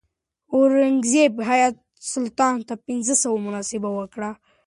اورنګزیب حیات سلطان ته پنځه سوه منصب ورکړ.